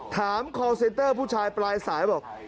คอลเซนเตอร์ผู้ชายปลายสายบอก